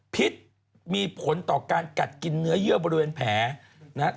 พิษมีผลต่อการกัดกินเนื้อเยื่อบริเวณแผลนะครับ